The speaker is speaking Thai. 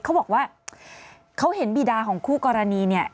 เขาบอกว่าเขาเห็นบีดาของคู่กรณีเนี่ย